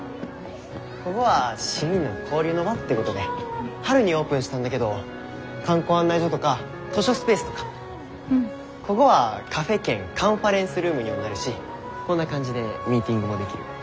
こごは市民の交流の場ってごどで春にオープンしたんだけど観光案内所とか図書スペースとか。こごはカフェ兼カンファレンスルームにもなるしこんな感じでミーティングもできる。